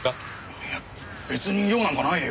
いや別に用なんかないよ。